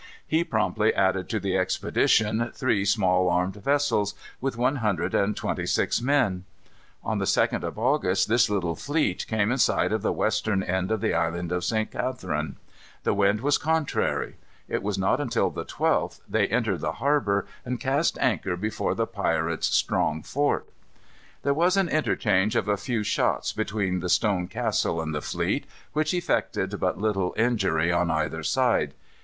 He promptly added to the expedition three small armed vessels, with one hundred and twenty six men. On the 2d of August this little fleet came in sight of the western end of the Island of St. Catharine. The wind was contrary. It was not until the 12th they entered the harbor and cast anchor before the pirates' strong fort. There was an interchange of a few shots between the stone castle and the fleet, which effected but little injury on either side.